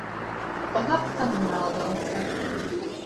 Оҙаҡ тын ғына ятты Ансар.